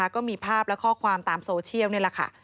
ก็มีภาพและข้อความตามโซเชียลนี่แหละค่ะ